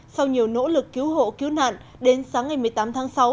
sau nhiều nỗ lực cứu hộ cứu nạn đến sáng ngày một mươi tám tháng sáu